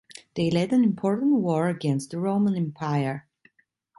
They led an important war against the Roman Empire.